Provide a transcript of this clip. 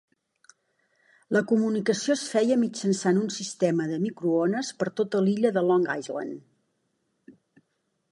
La comunicació es feia mitjançant un sistema de microones per tota l'illa de Long Island.